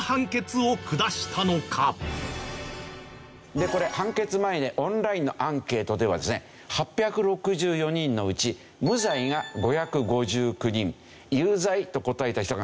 でこれ判決前のオンラインのアンケートではですね８６４人のうち無罪が５５９人有罪と答えた人が３０５人。